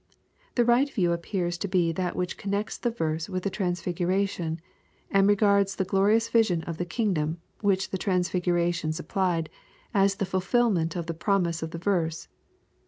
The right view appears to be that which connects the verse with the transfiguration, and regards the glorious vision of the kingdom, which the transfigura tion supplied, as the fulfilment of the promise of the verse.